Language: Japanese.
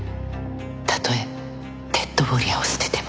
たとえ『デッドウォーリア』を捨てても。